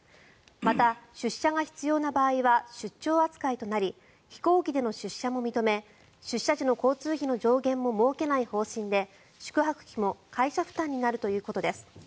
また、出社が必要な場合は出張扱いとなり飛行機での出社も認め出社時の交通費の上限も設けない方針で、宿泊費も会社負担になるということです。